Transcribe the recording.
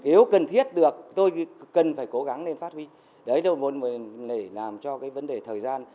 nếu cần thiết được tôi cần phải cố gắng lên phát huynh để làm cho cái vấn đề thời gian